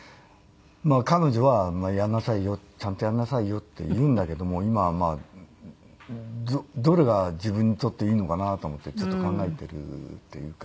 彼女は「やんなさいよ」「ちゃんとやんなさいよ」って言うんだけども今はまあどれが自分にとっていいのかなと思ってちょっと考えてるっていうか。